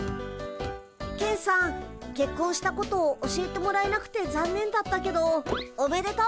ケンさんけっこんしたこと教えてもらえなくてざんねんだったけどおめでとう。